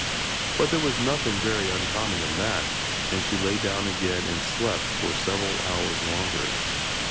But there was nothing very uncommon in that, and she lay down again and slept for several hours longer.